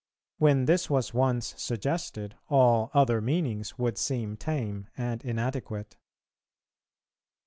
When this was once suggested, all other meanings would seem tame and inadequate.